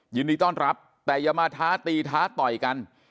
ยินดีต้อนรับแต่อย่ามาท้าตีท้าต่อยกัน